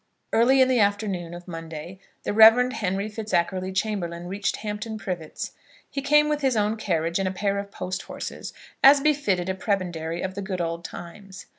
Early in the afternoon of Monday the Rev. Henry Fitzackerley Chamberlaine reached Hampton Privets. He came with his own carriage and a pair of post horses, as befitted a prebendary of the good old times.